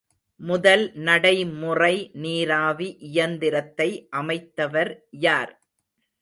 முதல் நடைமுறை நீராவி இயந்திரத்தை அமைத்தவர் யார்?